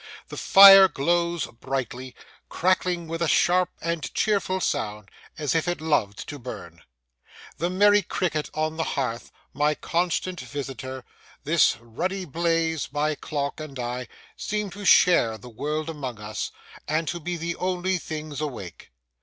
The fire glows brightly, crackling with a sharp and cheerful sound, as if it loved to burn. The merry cricket on the hearth (my constant visitor), this ruddy blaze, my clock, and I, seem to share the world among us, and to be the only things awake.